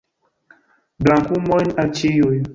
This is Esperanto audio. Brakumojn al ĉiuj!